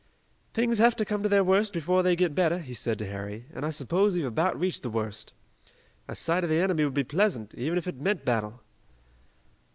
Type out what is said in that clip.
"Things have to come to their worst before they get better," he said to Harry, "and I suppose we've about reached the worst. A sight of the enemy would be pleasant, even if it meant battle."